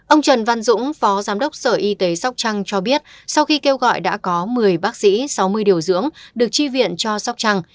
ông trần văn dũng phó giám đốc sở y tế sóc trăng cho biết sau khi kêu gọi đã có một mươi bác sĩ sáu mươi điều dưỡng được tri viện cho sóc trăng